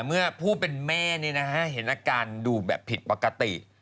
เมื่อผู้เป็นแม่เห็นอาการดูแบบผิดปกติ